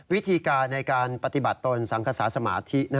วิธีการในการปฏิบัติตนสังกษาสมาธิ